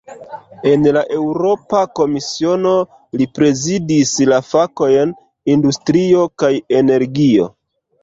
En la Eŭropa Komisiono, li prezidis la fakojn "industrio kaj energio".